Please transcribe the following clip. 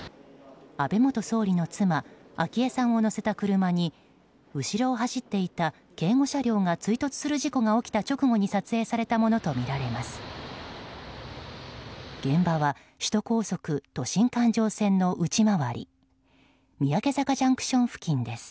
安倍元総理の妻昭恵さんを乗せた車に後ろを走っていた警護車両が追突する事故が起きた直後に撮影されたものとみられます。